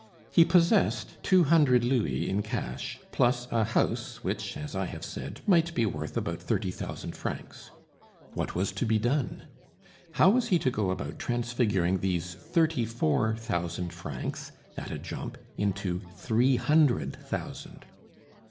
He possessed two hundred louis in cash, plus a house which, as I have said, might be worth about thirty thousand francs. What was to be done? How was he to go about transfiguring these thirty four thousand francs, at a jump, into three hundred thousand.